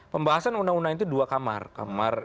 pembahasan undang undang itu dua kamar kamar